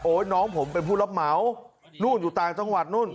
น้องผมเป็นผู้รับเหมานู่นอยู่ต่างจังหวัดนู่น